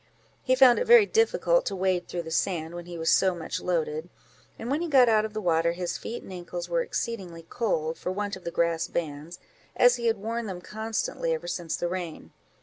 He found it very difficult to wade through the sand, when he was so much loaded; and when he got out of the water, his feet and ancles were exceedingly cold, for want of the grass bands, as he had worn them constantly ever since the rain.